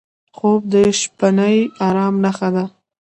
خوب د شپهني ارام نښه ده